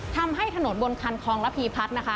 ทำให้ถนนบนคันคลองระพีพัฒน์นะคะ